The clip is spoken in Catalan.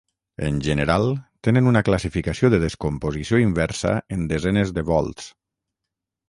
En general, tenen una classificació de descomposició inversa en desenes de volts.